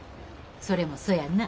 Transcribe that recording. それもそやな。